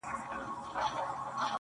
زه به د ميني يوه در زده کړم.